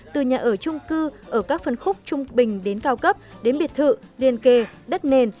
từ nhà ở trung cư ở các phân khúc trung bình đến cao cấp đến biệt thự liên kề đất nền